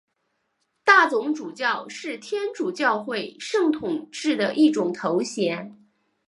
大总主教是天主教会圣统制的一种头衔。